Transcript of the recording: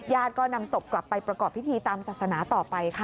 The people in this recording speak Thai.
ก็นำศพกลับไปประกอบพิธีตามศาสนาต่อไปค่ะ